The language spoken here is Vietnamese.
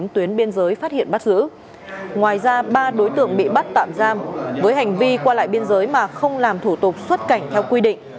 một mươi chín tuyến biên giới phát hiện bắt giữ ngoài ra ba đối tượng bị bắt tạm giam với hành vi qua lại biên giới mà không làm thủ tục xuất cảnh theo quy định